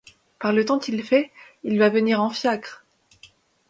Par le temps qu'il fait, il va venir en fiacre.